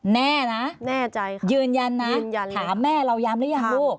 แน่นะแน่ใจค่ะยืนยันนะยืนยันเลยถามแม่เรายัมหรือยังลูก